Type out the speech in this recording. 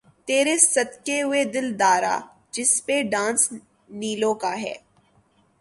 ''تیرے صدقے وے دلدارا‘‘ جس پہ ڈانس نیلو کا ہے۔